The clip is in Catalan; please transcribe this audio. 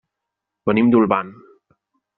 Venim d'Olvan.